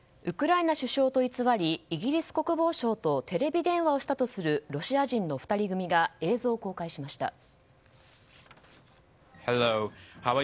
ウクライナ首相と偽りイギリス国防相とテレビ電話をしたとするロシア人の２人組が映像を公開しました。